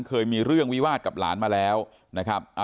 เคยมีเรื่องวิวาสกับหลานมาแล้วนะครับ